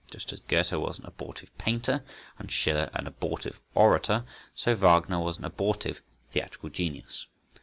Just as Goethe was an abortive painter, and Schiller an abortive orator, so Wagner was an abortive theatrical genius.